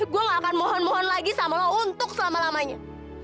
gue gak akan mohon mohon lagi sama lo untuk selama lamanya